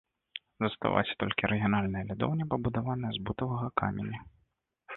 Засталася толькі арыгінальная лядоўня, пабудаваная з бутавага каменя.